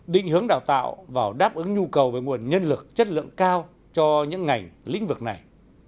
định hướng đào tạo vào đáp ứng nhu cầu về nguồn nhân lực chất lượng cao cho những ngành lĩnh vực này